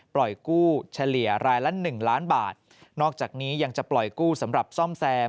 ปล่อยกู้เฉลี่ยรายละหนึ่งล้านบาทนอกจากนี้ยังจะปล่อยกู้สำหรับซ่อมแซม